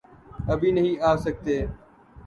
ابھی نہیں آسکتے۔۔۔